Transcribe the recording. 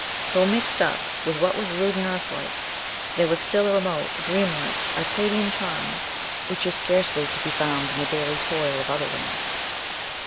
Though mixed up with what was rude and earthlike, there was still a remote, dreamlike, Arcadian charm, which is scarcely to be found in the daily toil of other lands.